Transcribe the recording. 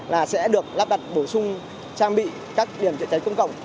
là sẽ được lắp đặt bổ sung trang bị các điểm chữa cháy công cộng